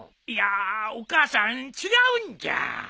いやお母さん違うんじゃ。